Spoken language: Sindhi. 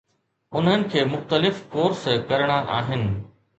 انهن کي مختلف ڪورس ڪرڻا آهن.